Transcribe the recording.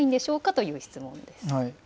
という質問です。